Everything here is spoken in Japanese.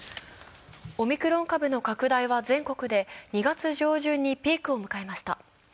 オミクロン株の拡大は全国で２月上旬にピークを迎えました。